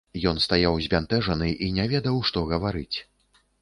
Ён стаяў збянтэжаны і не ведаў, што гаварыць.